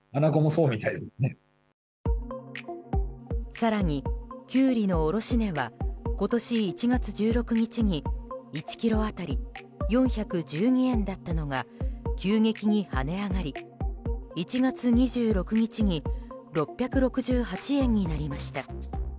更に、キュウリの卸値は今年１月１６日に１ｋｇ当たり４１２円だったのが急激に跳ね上がり１月２６日に６６８円になりました。